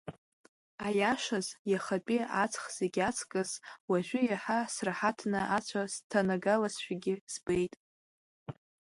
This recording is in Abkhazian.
Аиашаз, иахатәи аҵх зегьы аҵкыс, уажәы иаҳа сраҳаҭны ацәа сҭанагалазшәагьы збеит.